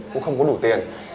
cũng không có đủ tiền